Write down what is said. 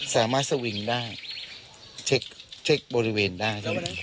สามารถสวิงได้เช็คบริเวณได้